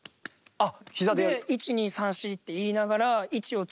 あっ。